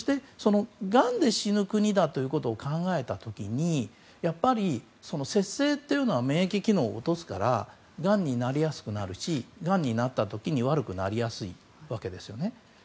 がんで死ぬ国だということを考えた時にやっぱり節制というのは免疫機能を落とすからがんになりやすくなるしがんになった時に悪くなりやすいわけです。